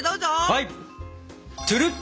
はい！